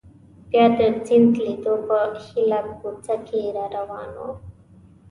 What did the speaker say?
بیا د سیند لیدو په هیله کوڅه کې را روان وو.